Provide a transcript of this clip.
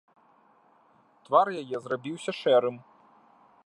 Твар яе зрабіўся шэрым.